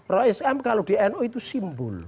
roh islam kalau di nu itu simbol